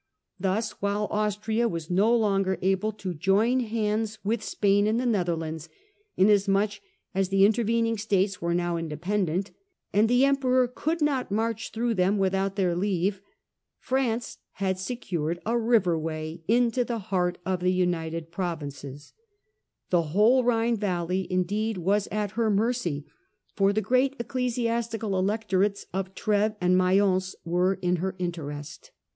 Thus, while Austria was no longer able to join hands with Spain in the Netherlands, inasmuch as the intervening States were now independent, and the Emperor could not march through them without their leave, France had secured a riverway into the heart of the United Provinces The whole Rhine valley indeed was at her mercy, for the great ecclesiastical electorates of Treves and Mayence were in her interest.